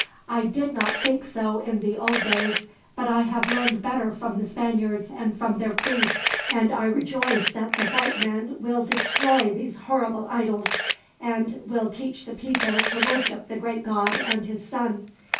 "I did not think so in the old days, but I have learned better from the Spaniards and from their priests; and I rejoice that the white men will destroy these horrible idols, and will teach the people to worship the great God and His Son.